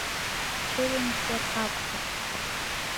Дцәырымҵзар акәхап.